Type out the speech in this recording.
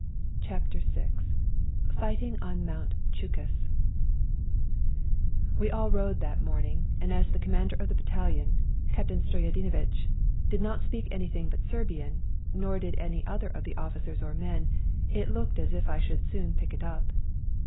CHAPTER VI FIGHTING ON MOUNT CHUKUS We rode all that morning, and as the J Commander of the battalion, Captain \ Stoyadinoviteh, did not speak anything but Serbian, nor did any other of the ] officers or men, it looked as if I should I soon pick it up.